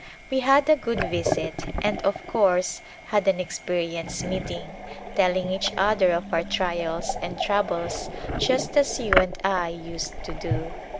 We had a good visit, and, of course, had an " experience meeting," telling each other of our trials and troubles just as you and I used to do.